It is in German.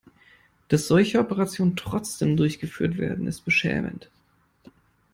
Dass solche Operationen trotzdem durchgeführt werden, ist beschämend.